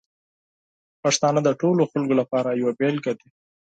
پښتانه د ټولو خلکو لپاره یوه بېلګه دي.